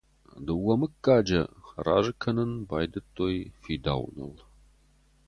Дыууӕ мыггаджы разы кӕнын байдыдтой фидауыныл.